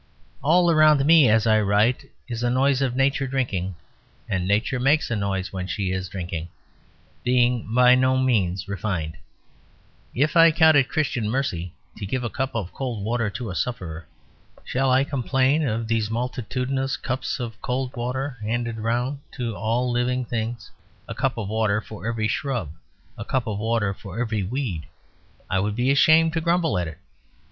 All around me as I write is a noise of Nature drinking: and Nature makes a noise when she is drinking, being by no means refined. If I count it Christian mercy to give a cup of cold water to a sufferer, shall I complain of these multitudinous cups of cold water handed round to all living things; a cup of water for every shrub; a cup of water for every weed? I would be ashamed to grumble at it.